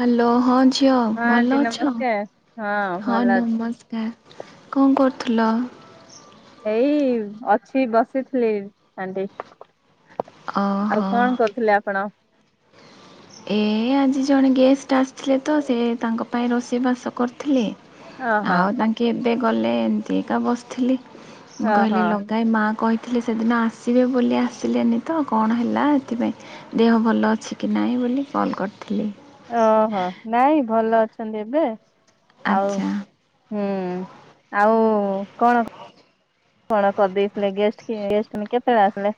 Hello ହଁ ଝିଅ ହଁ ଆଣ୍ଟି ଭଲ ଅଛ ନମସ୍କାର ହଁ ଭଲ ଅଛି। ନମସ୍କାର। କଣ କରୁଥିଲ? ଏଇ ଅଛି ବସିଥିଲି ଆଣ୍ଟି। ଆଉ ଓହୋ। କଣ କରୁଥିଲେ ଆପଣ? ଏ ଆଜି ଜଣେ ଗେଷ୍ଟ ଆସିଥିଲେ ତ ସେ ତାଙ୍କ ପାଇଁ ରୋଷେଇ ବାସ କରିଥିଲି। ଓହୋ ଆଉ ତାଙ୍କେ ଏବେ ଗଲେ ଏମିତିକା ବସିଥିଲି। ଓହୋ କହିଲି ଲଗାଇଏ ମା କହି ଥିଲେ ସେଦିନ ଆସିବେ ବୋଲି ଆସିଲେନି ତ କଣ ହେଲା ଏଥିପାଇଁ ଦେହ ଭଲ ଅଛି କି ନାଇଁ ବୋଲି ବୋଲି କଲ୍ କରିଥିଲି। ଓହୋ ନାଇଁ ଭଲ ଅଛନ୍ତି ଏବେ। ଆଉ ଆଛା। ହୁଁ ଆଉ କଣ? କଣ କରିଦେଇଥିଲେ ଗଷ୍ଟ ଗେଷ୍ଟ ମ କେତେବେଳେ ଆସିଲେ?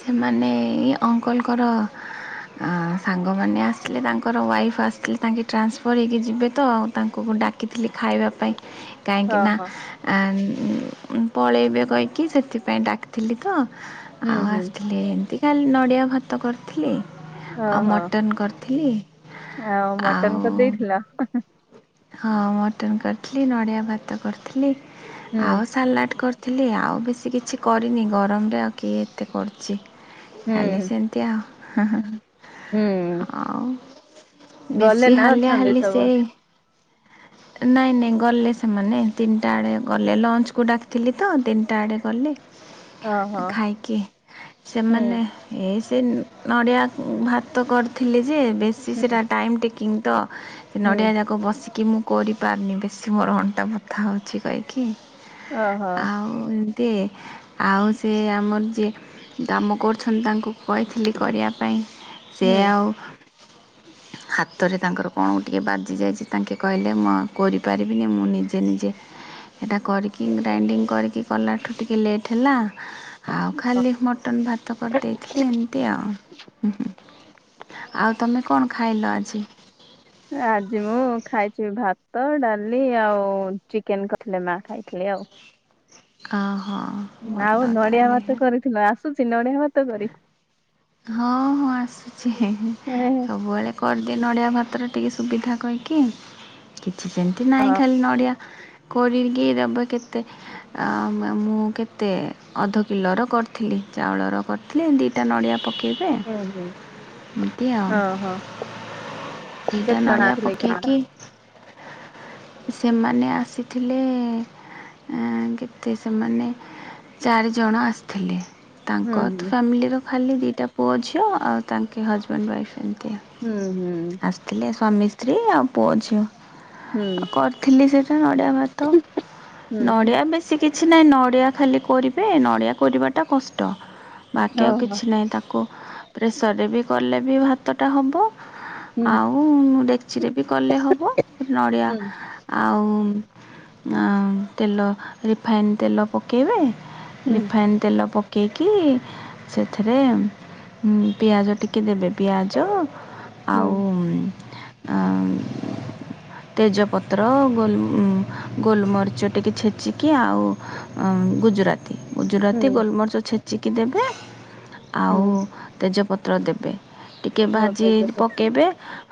ସେମାନେ ଏଇ ଅଙ୍କଲଙ୍କର ସାଙ୍ଗମାନେ ଆସିଥିଲେ ତାଙ୍କର ୱାଇଫ୍ ଆସିଥିଲେ ତାଙ୍କେ ଟ୍ରାନ୍ସଫର୍ ହୋଇଇକି ଯିବେ ତ। ତାଙ୍କୁ ଡାକିଥିଲି ଖାଇବା ପାଇଁ କାହିଁକିନା। ଓହୋ ପଳେଇବେ କହିକି ସେଥିପାଇଁ ଡାକିଥିଲି ତ। ହୁଁ ଆଉ ହୁଁ। ଆସିଥିଲି ଏମିତି ଖାଲି ନଡ଼ିଆ ଭାତ କରିଥିଲି ଆଉ ଓହୋ ମଟନ୍ କରିଥିଲି। ଆଉ ମଟନ କରି ଦେଇେଇଥିଲା? ହଁ ମଟନ କରିଥିଲି ନଡିଆ ଭାତ କରିଥିଲି ହୁଁ ଆଉ ସାଲାଡ କରିଥି ଥିଲି ଆଉ ବେଶୀ କିଛି କରିନି ଗରମରେ ଆଉ କିଏ ଏତେ କରୁଛି। ହୁଁ କାଲି ସେମିତି ଆଉ। ହୁଁ ହଉ ଗଲେ ବେଶି ନା ହାଲିଆ ଅଛନ୍ତି ହାଲି ସବୁ ସେ ହଁ। ନାଇଁ ନାଇଁ ଗଲେ ସେମାନେ ତିନିଟା ଆଡ଼େ ଗଲେ ଲଞ୍ଚକୁ ଡାକିଥିଲି ତ ତିନିଟା ଆଡ଼େ ଗଲେ। ଓହୋ ଖାଇକି ହୁଁ ସେମାନେ ଏ ସେ ନଡ଼ିଆ ଭାତ କରିଥିଲି ଯେ ବେଶୀ ହୁଁ ସେଇଟା ଟାଇମ୍ ଟେକିଂ ତ ସେ ହୁଁ ନଡ଼ିଆ ଯାକ ବସିକି ମୁଁ କରିପାରୁନି ବେଶୀ ମୋର ଅଣ୍ଟା ବଥା ହେଉଛି କହିକି। ହ ହଁ। ତ ଆଉ ସେ ଆମର ଯିଏ କାମ କରୁଛନ୍ତି ତାଙ୍କୁ କହିଥିଲି କରିବା ପାଇଁ ସେ ହୁଁ ଆଉ ହାତରେ ତାଙ୍କର କଣ ଟିକେ ବାଜି ଯାଇଛି। ତାଙ୍କେ କହିଲେ କରିପାରିବିନି ମୁଁ ନିଜେ ନିଜେ ଏଇଟା କରିକି ଗ୍ରାଇଣ୍ଡିଙ୍ଗ କରିକି। କି କଲାଠୁ ଟିକେ ଲେଟ୍ ହେଲା ଆଉ ଖାଲି ମଟନ୍ ଭାତ କରିଦେଇଥିଲି ଏମିତି ଆଉ। ହୁଁ ହୁଁ। ରାଜଜି ମୁଁ। ଖାଇଛି ଭାତ ଡାଲି ଆଉ ଚିକେନ କରିଥିଲେ ମା ଖାଇଥିଲେ ଆଉ। ଆଉ। ଆଉ ନଡିଆ ଭାତ କରିଥିଲ ଆସୁଛି ନଡିଆ ଭାତ କରି? ହଁ ହଁ ଆସୁଛି ସବୁବେଳେ କରିଦିଏ ନଡିଆ ଭାତର। ଟିକେ ସୁବିଧା କହିକି କିଛି ସେମିତି ନାହିଁ ହଁ ଖାଲି ନଡ଼ିଆ କରିକି ଦେବେ କେତେ ମୁଁ କେତେ ଅଧ କିଲୋର କରିଥିଲି। ଚାଉଳର କରିଥିଲେ ଦିଇଟା ନଡ଼ିଆ। ପକାଇବେ ହୁଁ ଏମିତି ଆଉ। ଓହୋ ଏଟା କେତେ ଜଣ ନଡ଼ିଆ ଆସିଥିଲେ କି ସେମାନେ? ପକେଇକି? ସେମାନେ ଆସିଥିଲେ କେତେ ସେମାନେ ଚାରିଜଣ ଆସିଥିଲେ। ହୁଁ ତାଙ୍କ ତ ଫ୍ୟାମିଲିର ଖାଲି ଦିଟା ପୁଅ ଝିଅ ଆଉ ତାଙ୍କେ ହଜବେଣ୍ଡ ୱାଇଫ୍ ଏମିତି। ହୁଁ ହୁଁ ଆସିଥିଲେ ସ୍ୱାମୀ ସ୍ତ୍ରୀ ଆଉ ପୁଅ ଝିଅ। ହୁଁ କରିଥିଲି ସେଟା ନଡିଆ ଭାତ ହୁଁ ହୁଁ ହୁଁ ନଡିଆ ବେଶୀ କିଛି ନହିଁ ନଆ। ନଡ଼ିଆ ଖାଲି କରିବେ ନଡ଼ିଆ କରିବାଟା କଷ୍ଟ ବାକି ଆଉ ଓହୋ କିଛି ନାହିଁ ତାକୁ ପ୍ରେସରରେ ବି କଲେ ବି ଭାତଟା ହେବ। ହୁଁ ଆଉ ଡେକ୍ଚିରେ ବି କଲେ ହବ ନଡ଼ିଆ ହୁଁ ଆଉ ତେଲ ରିଫାଇନ୍ ତେଲ ପକାଇବେ ହୁଁ ରିଫାଇନ୍ ତେଲ ପ ପକେଇକି ସେଥିରେ ପିଆଜ ଟିକେ ଦେବେ ପିଆଜ ହୁଁ ଆଉ [unintelligible] ତେଜପତ୍ର ଗୋଲ ଗୋଲମରିଚ ଟିକେ ଛେଚିକି ଆଉ ଗୁଜୁରାତି। ଗୁଜୁରାତି ହୁଁ ଗୋଲମରିଚ ଛେଚିକି ଦେବେ ହୁଁ ଆଉ ତେଜପ ପତ୍ର ଦେବେ ଟିକେ ଓ ହଁ ଭାଜି ପକାଇବେ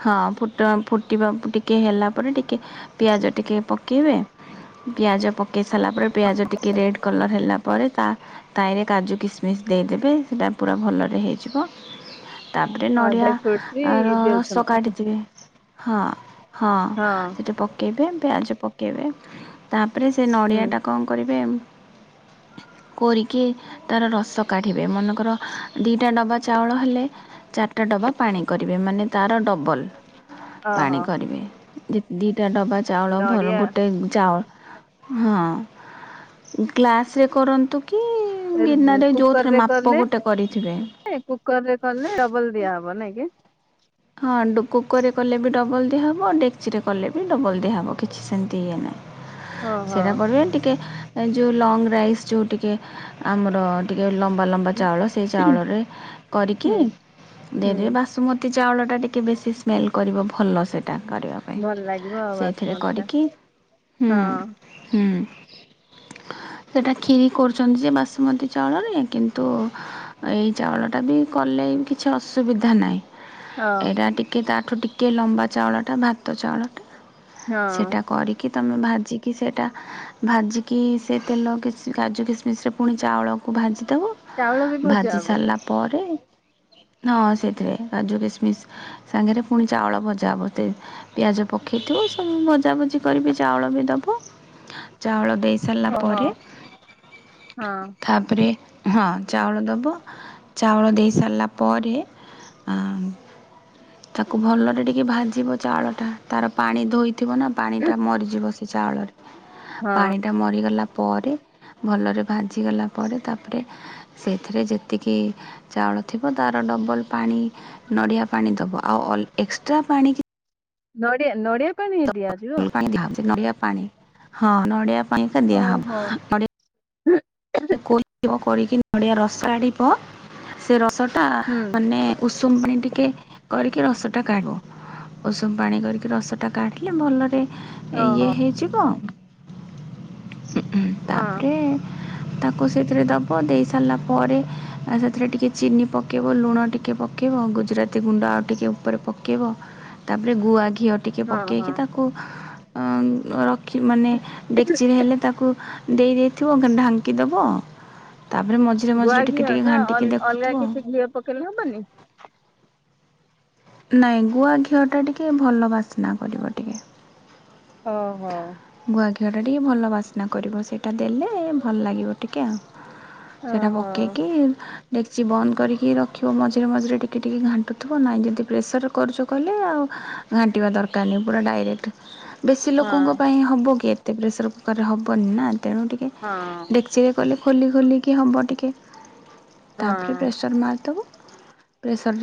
ହଁ ଫୁ ଫୁଟିବା ଟିକେ ହେଲା ପରେ ଟିକେ ପିଆଜ ଟିକେ ପକାଇବେ ପିଆଜ ପକାଇ ସାରିଲା ପରେ ପିଆଜ ଟିକେ ରେଡ୍ କଲର୍ ହେଲା ପରେ ତା ତାାଇରେ କାଜୁ କିସମିଶ ଦେଇଦେବେ ସେଇଟା ପୁରା ଭଲରେ ହେଇଯିବ। ତାପରେ ନଡ଼ିଆ ଡ୍ରାଇ ଫ୍ରୁଟସ୍ ବି ଆ ରସ ଦଉଛନ୍ତି କାଢଟିିଥିବେ। ହଁ ହଁ ସେଠି ପକେଇବେ ପିଆଜ ପକେଇବେ ତା ତାପରେ ସେ ହୁଁ ନଡ଼ିଆଟା କଣ କରିବେ କୋରିକି ତାର ରସ କାଢିବେ ମନେକର ଦିଇଟା ଡବା ଚାଉଳ ହେଲେ ଚାରିଟା ଡବା ପାଣି କରିବେ ମାନେ ତର ଡବଲ୍। ପାଣି ଓହୋ କରିବେ ଯେ ଦିଇଟା ଡବା ଚାଉଳ ନଡିଆ ଗୋଟେ ଚାଉଳ ହଁ କ୍ଲାସ ରେ କରନ୍ତୁ। କି [unintelligible] ଗିନାରେ ଯୋଉଥିରେ କୁକରରେ ମାପ କଲେ ଗୋଟେ କରିଥିବେ। କୁକର ରେ କଲେ ଡବଲ ଦିଆ ହବ ନାଇଁ କି? ହଁ କୁକରରେ କଲେ ବି ଡବଲ୍ ଦିଆହବ ଆଉ ଡେକ୍ଚିରେ କଲେ ବି ଡବଲ୍ ଦିଆହେବ କିଛି ସେମିତି ଇଏ ନାହିଁ। ଓହୋ ସେଟା ପରେ ବି ଟିକେ ଏ ଯୋଉ ଲଙ୍ଗ ରାଇସ୍ ଯୋଉ ଟିକେ ଆମର ଟିକେ ଲମ୍ବା ଲମ୍ବା ଚାଉଳ ସେଇ ଚାଉଳରେ କରିକି ହୁଁ ହୁଁ ଦେଇଦେବେ ବାସୁମତି ଚାଉଳଟା ଟିକେ ବେଶୀ ସ୍ମେଲ୍ କରିବ ଭଲ ସେ ଟା କରିବା ପାଇଁ ଭଲ ଲାଗିବ ଆଉ ସେଥିରେ ବାସୁମତୀ ଟା କରିକି ହୁଁ ହଁ ହୁଁ। [inaudible] ସେଇଟା କ୍ଷିରି କରୁଛନ୍ତି ଯେ ବାସୁମତୀ ଚାଉଳରେ କିନ୍ତୁ ଏଇ ଚାଉଳଟା ବି କଲେ କିଛି ଅସୁବିଧା ନାହିଁ। ହଁ ଏଇଟା ଟିକେ ତାଠୁ ଟିକେ ଲମ୍ବା ଚାଉଳଟା ଭାତ ଚାଉଳଟା। ହଁ ସେଟା କରିକି ତମେ ଭାଜିକି ସେଇଟା ଭାଜିକି ସେ ତେଲ କି କାଜୁ କିସମିସରେ ପୁଣି ଚାଉଳକୁ ଭାଜି ଦେବ ଚାଉଳ ବି ଭଜା ଭାଜି ହବ ସାରିଲା ପରେ ହଁ ସେଇଥିରେ କାଜୁ କିସମିସ୍ ସାଙ୍ଗରେ ପୁଣି ଚାଉଳ ଭଜା ବତେ ପିଆଜ ପକାଇଥିବ ସବୁ ଭଜା ଭଜି ଚାଉଳ ବି ଦବ ଚାଉଳ ଦେଇ ସାରିଲା ଓହୋ ପରେ ହଁ ତାପରେ ହଁ ଚାଉଳ ଦେବ ଚାଉଳ ଦେଇ ସାରିଲା ପରେ ଆ ତାକୁ ଭଲରେ ଟିକେ ଭାଜିବ ଚାଉଳଟା ତାର ପାଣି ଧୋଇ ଥିବ ନା ପାଣି ଟା ମରିଯିବ ସେ ଚାଉଳରେ ହଁ ପାଣି ଟା ମରିଗଲା ପରେ ଭଲରେ ଭାଜିଗଲା ପରେ ତାପରେ ସେଥିରେ ଯେତିକି ଚାଉଳ ଥିବ ତାର ଡବଲ୍ ପାଣି ନଡ଼ିଆ ପାଣି ଦେବ ଆଉ ଏକ୍ସଟ୍ରା ପାଣି କି ନଡିଆ ନଡିଆ ପାଣି [unintelligible] ଦିଆଯିବ ନଡିଆ ପାଣି ହଁ ନଡିଆ [unintelligible] ଓହୋ ଦିଆହବ ନଡି ନଡ଼ିଆ ରସ ଆଡିବ ସେ ରସ ଟା ହୁଁ ମାନେ ଉଷୁମ ପାଣି ଟିକେ କରିକି ରସଟା କାଢ଼ୁ ଉଷୁମ ପାଣି କରିକି ରସଟା କାଢ଼ିଲେ ଭଲରେ ଇଏ ଓହୋ ହେଇଯିବ ହଁ ତାପରେ ତାକୁ ସେଥିରେ ଦବ ଦେଇ ସାରିଲା ପରେ ସେଥିରେ ଟିକେ ଚିନି ପକେଇବ ଲୁଣ ଟିକେ ପକେଇ ବ ଗୁଜୁରାତି ଗୁଣ୍ଡ ଆଉ ଟିକ ଉପରେ ପକେଇବ ତାପରେ ଗୁଆଘି ଘିଅ ଟିକେ ହଁ ପକେଇକି ହଁ ତାକୁ ମାନେ ଡେକ୍ଚିରେ ହେଲେ ତାକୁ ଦେଇ ଦେଇେଇଥିବ ଢାଙ୍କି ଦେବ। ତାପରେ ମଝିରେ ଗୁଆ ମଝିରେ ଟିକେ ଘିଅ ଟିକେ ନା ଘାଣ୍ଟିକି ଅଲ- ଅଲଗା ଦେଖୁଥିବ କିଛି ଘିଅ ପକେଇଲେ ହବନି ଆଉ। ନାଇଁ ଗୁଆ ଘିଅ ଟା ଟିକେ ଭଲ ବାସ୍ନା କରିବ ଟିକେ। ହଁ ହଁ। ୁଆ ଘିଅଟା ଟିକଏ ଭଲ ବାସ୍ନା କରିବ ସେଇଟା ଦେଲେ ଭଲ ଲାଗିବ ଟିକେ ଆଉ। ସେଇଟା ଓହୋ ପକେଇକି ଡେକ୍ଚି ବନ୍ଦ କରିକି ରଖିବ ମଝିରେ ମଝିରେ ଟିକିଏ ଟିକିଏ ଘାଣ୍ଟୁଥିବ ନହିଁ ଯଦି ପ୍ରେସର କରୁଛ କହିଲେ ଆଉ। ଘାଣ୍ଟିବା ଦରକାରନହି ପୁରା ଡାଇରେକ୍ଟ। ବେଶୀ ହଁ ଲୋକଙ୍କ ପାଇଁ ହେବ କି ଏତେ ପ୍ରେସର କୁକରରେ ହେବନି ନା ତେଣୁ ଟିକେ ହଁ ହଁ ଡେକ୍ଚିରେ କଲେ ଖୋଲି ଖୋଲିକି ହେବ ଟିକେ ତାପରେ ହଁ ପ୍ରେସର୍ ମାରିଦେବୁ।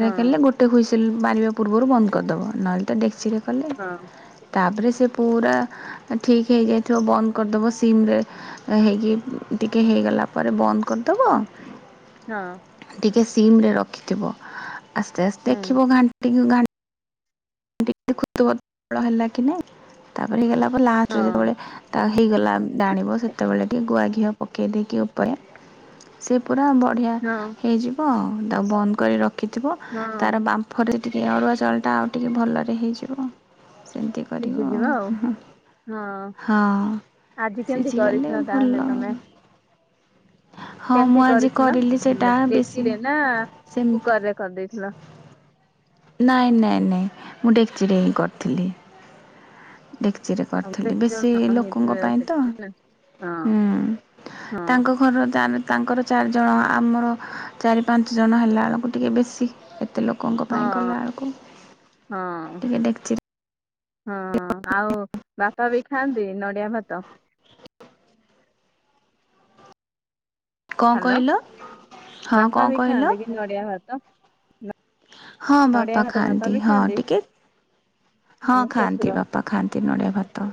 ହଁ ଗୋଟେ ହୁଇସିଲ୍ ମାରିବା ପୂର୍ବରୁ ବନ୍ଦ କରିଦବ, ନହେଲେ ତ ଟେ ଖସିରେ କଲେ ହଁ ତାପରେ ସେ ପୁରା ଠିକ ହେଇଯାଇଥିବ ବନ୍ଦ କରିଦବ ସିମରେ ହେଇକି ଟିକେ ହେଇଗଲା ପରେ ବ ଫ କରିଦବ। ହଁ। ଟିକେ ସିମରେ ରଖିଥିବ ଆସ୍ତେ ଆସ୍ତେ ହୁଁ ଦେଖିବ ଘାଣ୍ଟି ଟ ଦେଖଳ ହେଲା କି ନାଇଁ ତାପରେ ହେଇଗଲା ଆ ଲାଷ୍ଟରେ ହଁ ଯେତେବେଳେ ତା ହେଇଗଲା ଜାଣିବ ସେତେବେଳେ ଟିକେ ଗୁଆ ଘିଅ ପକେଇ ଦେଇକି ଉପରେ ସେ ପୁରା ବଢ଼ିଆ ହଁ ହେଇଯିବ ଆ ତାକୁ ବନ୍ଦ କରି ରଖି ରଖିଥିବ ତାର ହଁ ବାମ୍ଫରେ ଟିକେ ଅରୁଆ ଚାଉଳଟା ଆଉ ଟିକେ ଭଲରେ ହେଇଯିବ। ସେମିତି କରିବ ଆଉ। ହଁ ଆଜି କେମିତି ସିଝିଗଲେ କରିଥିଲ ତାହେଲେ ଭଲ। ତମେ ହଁ ମୁଁ କେମିତି ଆଜି କରିଥିଲ କରିଲି ସେଇଟା ମ- ବେଶୀ ଡେକ୍ଚିରେ ନା କୁକର ରେ କରିଦେଇଥିଲ ସେମତି। ନାଇଁ ନାଇଁ ନାଇଁ ମୁଁ ଡେକଚିରେ ହିଁ କରିଥିଲି। ଡେକଚିରେ ଆଉ କରିଥିଲି ଜଣ ବେଶୀ ଲୋକଙ୍କ ହେଇଥିବେ ପାଇଁ ତ। ସେଥିପାଇଁ ହଁ ହଁ ତାଙ୍କ ଘରର ତା ତାଙ୍କର ଚାରିଜଣ ଆମର ଚାରି ପାଞ୍ଚ ଜଣ ହେଲା ବେଳକୁ ଟିକେ ବେଶୀ। ଏତେ ଲୋକଙ୍କ ପାଇଁ ହଁ ଗଲା ଆଳକୁ ହଁ ଟିକେ ଦେକଚି ରେ ହଁ ଆଉ ବାପା ବି ଖାଆନ୍ତି ନଡିଆ ଭାତ? କଣ ହ୍ୟାଲୋ କହିଲ? ହଁ ବାପା କଣ ବି କହିଲ? ଖାଆନ୍ତି କି ନ ନଡଆ ଭାତ? ହଁ ନଡିଆ ବାପା ଭାତ ବାପା ଖାଆନ୍ତି ବି ହଁ ଟିକେ। ହଁ ମାନେ ଖାଆନ୍ତି ଶ୍ୱଶୁର ବାପା ଖାଆନ୍ତି ନଡିଆ ଭାତ।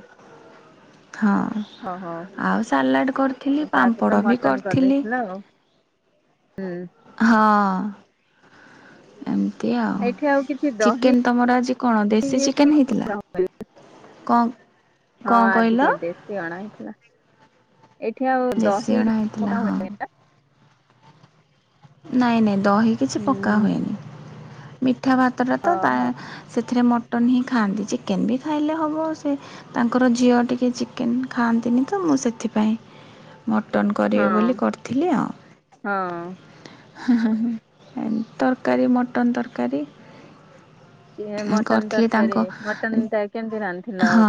ହଁ ଓହୋ ଆଉ ସାଲାଡ଼ କରିଥିଲି ଆଉ ତା ସହିତ ପାମ୍ପଡ଼ ବି ମଟନ କରିଥିଲି। କରିଦେଇଥିଲ ହ। ଆଉ ହୁଁ। ହଁ। ଏମିତି ଆଉ ଏଇଠି କିଛି ଦହି ଚିକେନ ତମର ଆଜି କଣ ଦେଶୀ ଇଏ ସିଏ ଚିକେନ କିଛି ହେଇଥିଲା। ପକା ହୁଏନି। କଣ ହଁ କଣ ଆଜି କହିଲ? ଟିକେ ଦେଶୀ ଅଣା ହେଇଥିଲା। ଏଠି ଆଉ ଦେଶୀ ଦହି ଅଣା କି ହେଇଥିଲା ପକା ହଁ। ନାଇଁ ନାଇଁ ଦହି କିଛି ପକା ହୁଁ ହୁଏନି ମିଠା ଭାତଟା ତ ତା ଓହୋ ସେଥିରେ ମୋ ମଟନ୍ ହିଁ ଖାଆନ୍ତି ଚିକେନ୍ ବି ଖାଇଲେ ହେବ, ସେ ତାଙ୍କର ଝିଅ ଟିକଏ ଚିକେନ୍ ଖାଆନ୍ତିନି ତ। ମୁଁ ସେଥିପାଇଁ ମଟନ ହଁ କରିବି ବୋଲି ହଁ କରିଥିଲି ଆଉ। ହଁ ହଁ ହଁ ହୁଁ ତରକାରୀ ମଟନ ତରକାରୀ। ଏ ମଟନ କରିଥିଲି ତାଙ୍କ ତରକାରୀ ମଟନ ଟ କେମିତି ରନ୍ଧିଲ? ହଁ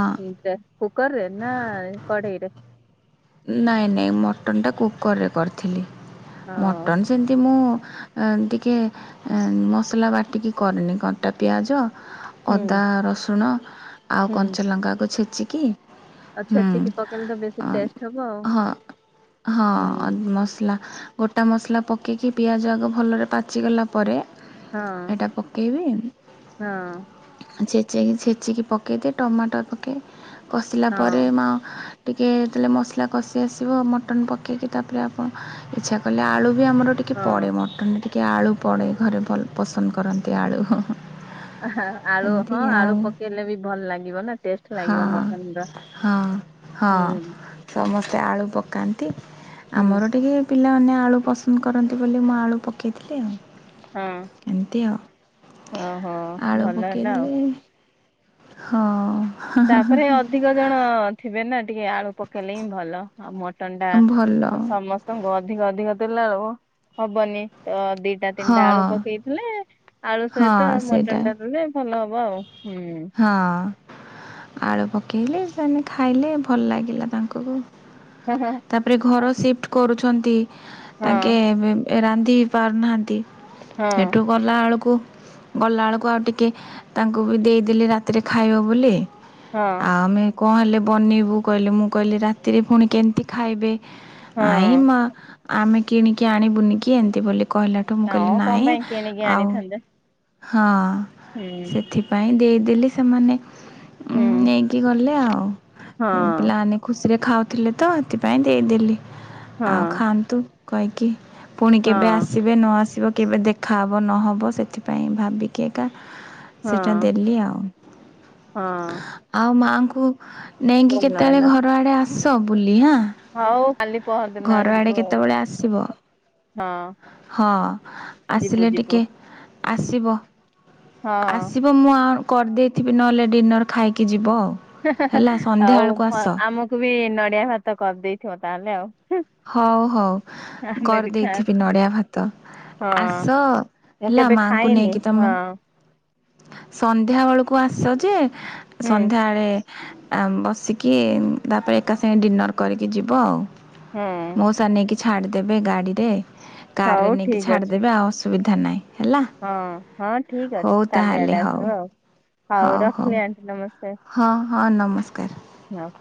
କୁକରେ ନା କଡ଼େଇରେ? ନାଇଁ ନାଇଁ ମଟନଟା କୁକରରେ କରିଥିଲି, ହଁ ମଟନ୍ ସେମିତି ମୁଁ ଟିକେ ମସଲା ବାଟିକି କରିରେନି କଟା ପିଆଜ ହୁଁ ଅଦା ରସୁଣ ଆଉ ହୁଁ କଞ୍ଚାଲଙ୍କାକୁ ଛେଚିକି। ଆଉ ଛେଚିକି ପକେଇଲେ ତ ବେଶୀ ଟେଷ୍ଟ ହବ ଆଉ ହଁ ହୁଁ ହଁ ମସଲା। ଗୋଟା ମସଲା ପକେଇକି, ପିଆଜ ଆଗ ଭଲରେ ପାଚିଗଲା ପରେ। ହଁ ଏଇଟା ପକେଇବି ହଁ ସେ ଛେଚିକି ପକେଇଦିଏ, ଟମାଟର ପକେଇ କଷିଲା ପରେ ହଁ ମା ଟିକେ ତେଲ ମସଲା କଷି ଆସିବ ମଟନ ପକେଇକି ତାପରେ ଆପଣ ଇଚ୍ଛା କଲେ ଆଳୁ ବି ଆମର ଟିକେ ହଁ ପଡ଼େ, ମଟନରେ ଟିକେ ଆଳୁ ପଡ଼େ ଘରେ ଭଲ ପସନ୍ଦ କରନ୍ତି ଆଳୁ ହ ହଁ। ଆଳୁ ହଁ ଆଳୁ ପକେଇଲେ ବି ଭଲ ଲାଗିବ ନା ଟେଷ୍ଟ ଲାଗିବ ହଁ ମଟନ ର। ହଁ ହଁ ହୁଁ। ସମସ୍ତେ ଆଳୁ ପକାନ୍ତି। ହୁଁ ଆମର ଟିକେ ପିଲାମାନେ ଆଳୁ ପସନ୍ଦ କରନ୍ତି ବୋଲି, ମୁଁ ଆଳୁ ପକେଇଥିଲି ଆଉ ହଁ ଏମିତି ଆଉ ଓହୋ ଆଳୁ ଭଲ ହେଲା ଆଉ ପକେଇଦଲେ ହଁ। ତାପରେ ଅଧିକ ଜଣ ଥିବେ ନା। ଟିକେ ଆଳୁ ପକେଇଲେ ହିଁ ଭଲ, ଆଉ ମଟନ ଟା ଭଲ ସମସ୍ତଙ୍କୁ ଅଧିକ ଅଧିକ ପିଲା ଆଉ ହବନି ଦିଟା ତିନିଟା ଆଳୁ ହଁ ପକେଇଥିଲେ, ଆଳୁ ସହିତ ହଁ ମଟନ ସେଇଟା ଟା ଦେଲେ ଭଲ ହବ ଆଉ। ହୁଁ ହଁ ଆଳୁ ପକେଇଲେ ସେମାନେ ଖାଇଲେ ଭଲ ଲାଗିଲା ତାଙ୍କୁ କୁ ହଁ ତାପରେ ଘର ସିଫ୍ଟ କରୁଛନ୍ତି। ହଁ ତାଙ୍କେ ରାନ୍ଧି ପାରୁନାହାନ୍ତି ହଁ ସେଠୁ ଗଲାବେଳକୁ ଗଲାବେଳକୁ ଆଉ ଟିକେ, ତାଙ୍କୁ ବି ଦେଇଦେଲି ରାତିରେ ଖାଇବ ବୋଲି। ଆଉ ଆମେ କଣ ହେଲେ ବନେଇବୁ କହିଲେ, ମୁଁ କହିଲି ରାତିରେ ପୁଣି କେମତି ଖାଇବେ? ଆଇ ହଁ ମା ଆମେ କିଣିକି ଆଣିବୁନିକି ଏମତି ବୋଲି କହିଲାଠୁ ମୁଁ କହିଲି ହଁ କଣ ନାଇଁ ପାଇଁ କିଣିକି ଆଉ ଆଣିଥାନ୍ତେ ହଁ ହୁଁ ସେଥିପାଇଁ ଦେଇଦେଲି ସେମାନେ ହୁଁ ଉଁ ନେଇକି ଗଲେ ଆଉ ହଁ ପିଲାମାନେ ଖୁସି ସେ ଖାଉଥିଲେ ତ ସେଥିପାଇଁ ଦେଇଦେଲି, ହଁ ଆଉ ଖାଆନ୍ତୁ କହିକି ପୁଣି ହଁ କେବେ ଆସିବେ ନ ଆସିବ, କେବେ ଦେଖାହେବ ନହେବ ସେଥିପାଇଁ ଭାବିକି ଏକା ସେଟା ହଁ ଦେଲି ଆଉ ହଁ ଆଉ ମାଆଙ୍କୁ ନେଇକି ଭଲ କେତେବେଳେ ହେଲା ଘର ଆଡ଼େ ଆସ ବୁଲି ଆଁ। ହଉ କାଲି ପହରଦିନ ଘର ଆଡେ ଯିବୁ ଆଉ କେତେବେଳେ ଆସିବ? ହଁ ହଁ ଯିବୁ ଆସିଲେ ଯିବୁ ଟିକେ ଆସିବ। ହଁ ଆସିବ ମୁଁ ଆଉ କରିଦେଇଥିବି ନହେଲେ ଡିନର ଖାଇକି ଯିବ ଆଉ। ହେଁ ହେଁ ହେଲା ହେଁ ସନ୍ଧ୍ୟାବେଳକୁ ଆସ ଆଉ ଆମକୁ ବି ନଡିଆ ଭାତ କରିଦେଇଥିବ, ତାହେଲେ ଆଉ। ହଉ ହଉ ଆମେ ବି ଖା କରିଦେଇଥିବି ନଡିଆ ଭାତ। ହଁ ଆସ ମୁଁ ହେଲା କେବେ ମାଙ୍କୁ ଖାଇନି ନେଇକି ହଁ ତମେ ସନ୍ଧ୍ୟା ବେଳକୁ ଆସ ଯେ ହୁଁ ସନ୍ଧ୍ୟାବେଳେ ଆ ବସିକି ତାପରେ, ଏକା ସାଙ୍ଗେ ଡିନର୍ କରିକି ଯିବ ଆଉ। ହୁଁ ମଉସା ନେଇକି ଛାଡିଦେବେ ଗାଡିରେ, କାର ରେ ହଉ ନେଇକି ଠିକ ଅଛି ଛାଡିଦେବେ ଆଉ ଅସୁବିଧା ନାହିଁ ହେଲା। ହଁ ହଁ ଠିକ ଅଛି ହଉ କାଲି ତାହେଲେ ଆଡେ ହଉ ଆସିବ, ଆଉ ହଉ ରଖିଲି ଆଣ୍ଟି ନମସ୍କାର। ହଁ ହଁ ନମସ୍କାର। ହଁ।